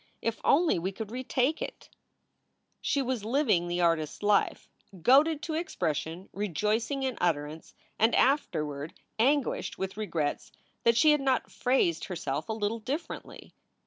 If only we could retake it!" SOULS FOR SALE 335 She was living the artist s life, goaded to expression, rejoicing in utterance and afterward anguished with regrets that she had not phrased herself a little differently.